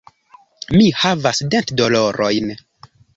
Mi havas dentdolorojn.